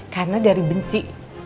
karena dari benci